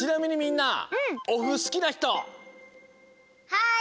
はい！